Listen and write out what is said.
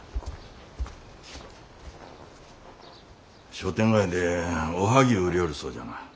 商店街でおはぎゅう売りょうるそうじゃな。